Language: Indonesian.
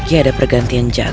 kita akan menyelektratnya